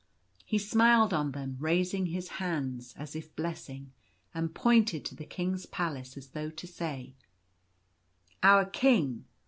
He smiled on them, raising his hands as if blessing ; and pointed to the King's palace, as though to say :" Our king